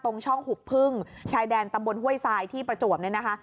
ตรงช่องหุบพึ่งชายแดนตำบลห้วยทรายที่ประจวบเนี่ยนะคะ